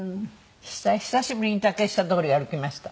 久しぶりに竹下通り歩きました。